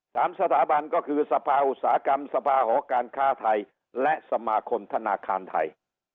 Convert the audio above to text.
สามสถาบันก็คือสภาอุตสาหกรรมสภาหอการค้าไทยและสมาคมธนาคารไทย